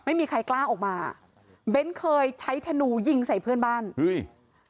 ไม่มีใครกล้าออกมาเบ้นเคยใช้ธนูยิงใส่เพื่อนบ้านเฮ้ย